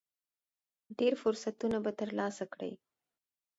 ډېر فرصتونه به ترلاسه کړئ .